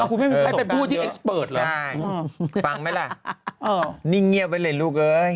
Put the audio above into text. คุณแม่ม้ามีประสบการณ์เยอะใช่ฟังไหมล่ะนิ่งเงียบไว้เลยลูกเอ้ย